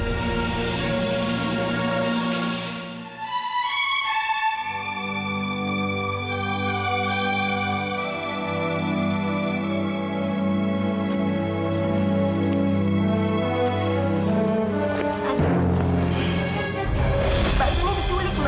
sampai jumpa lagi